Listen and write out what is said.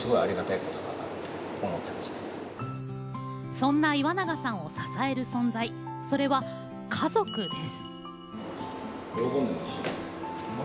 そんな岩永さんを支える存在それは家族です。